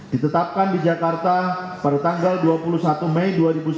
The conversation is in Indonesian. ditetapkan di jakarta pada tanggal dua puluh satu mei dua ribu sembilan belas